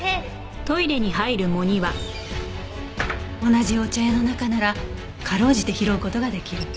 同じお茶屋の中ならかろうじて拾う事が出来る。